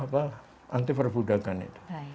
perang anti perbudakan itu